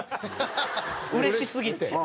うれしすぎて。